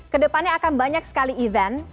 kedepannya akan banyak sekali event